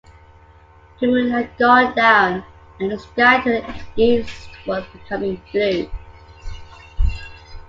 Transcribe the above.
The moon had gone down and the sky to the east was becoming blue.